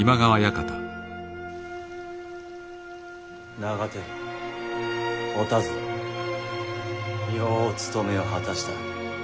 長照お田鶴よう務めを果たした。